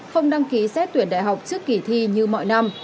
không đăng ký xét tuyển đại học trước kỳ thi như mọi năm